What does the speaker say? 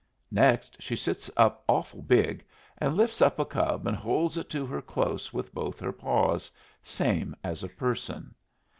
Next she sits up awful big, and lifts up a cub and holds it to her close with both her paws, same as a person.